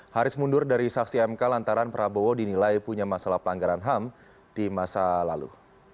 haris mundur dari saksi mk lantaran prabowo dinilai punya masalah pelanggaran ham di masa lalu